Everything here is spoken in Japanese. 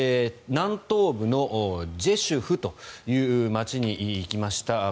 南東部のジェシュフという街に行きました。